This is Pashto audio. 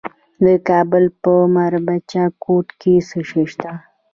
د کابل په میربچه کوټ کې څه شی شته؟